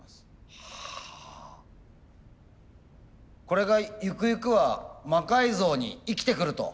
これがゆくゆくは魔改造に生きてくると？